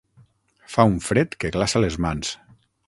Fa un fred que glaça les mans.